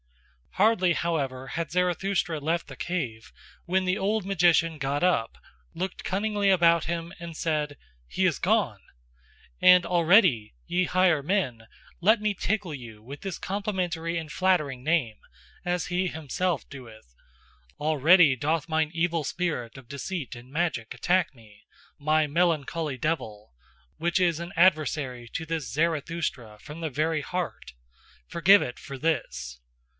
Hardly, however, had Zarathustra left the cave when the old magician got up, looked cunningly about him, and said: "He is gone! And already, ye higher men let me tickle you with this complimentary and flattering name, as he himself doeth already doth mine evil spirit of deceit and magic attack me, my melancholy devil, Which is an adversary to this Zarathustra from the very heart: forgive it for this!